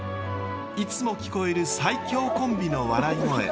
いつも聞こえる最強コンビの笑い声。